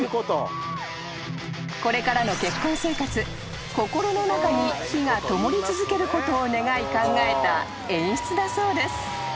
［これからの結婚生活心の中に火がともり続けることを願い考えた演出だそうです］